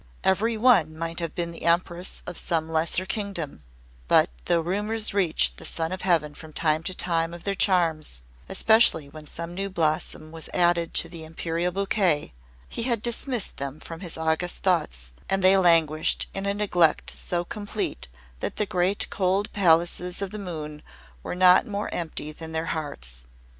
Every one might have been the Empress of some lesser kingdom; but though rumours reached the Son of Heaven from time to time of their charms, especially when some new blossom was added to the Imperial bouquet, he had dismissed them from his august thoughts, and they languished in a neglect so complete that the Great Cold Palaces of the Moon were not more empty than their hearts.